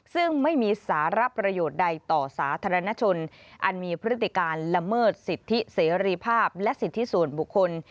ซึ่งไม่มีสารประโยชน์ใดต่อสาธารณชนอันมีพฤติการละเมิดสิทธิเสรีภาพและสิทธิส่วนบุคคล